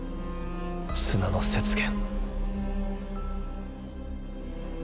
砂の雪原。